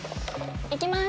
いきます！